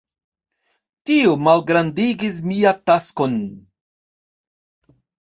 Tio malgrandigis mia taskon.